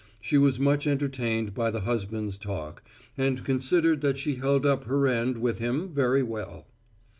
She was much entertained by the husband's talk, and considered that she held up her end with him very well.